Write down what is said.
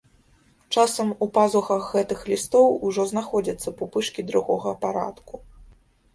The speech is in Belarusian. Часам у пазухах гэтых лістоў ужо знаходзяцца пупышкі другога парадку.